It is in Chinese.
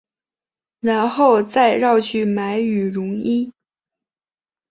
然后再绕去买羽绒衣